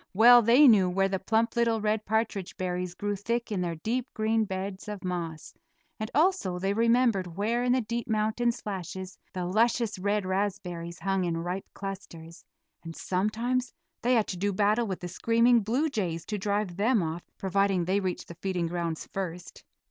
Well they knew where the plump little red partridge berries grew thick in their deep green beds of moss, and also they remembered where in the deep mountain slashes the luscious red raspberries hung in ripe clusters; and sometimes they had to do battle with the screaming blue jays to drive them off, providing they reached the feeding grounds first.